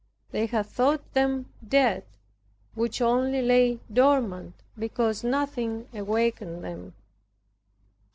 They had thought them dead which only lay dormant because nothing awakened them.